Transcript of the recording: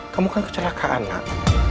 kamu kan kecelakaan pak